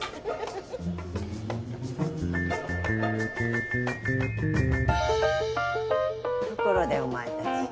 フフフところでお前たち